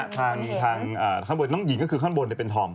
ทางข้างบนน้องหญิงก็คือข้างบนเป็นธอม